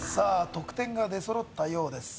得点が出そろったようです